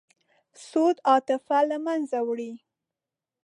سود عاطفه له منځه وړي.